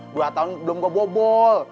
dua tahun belum gue bobol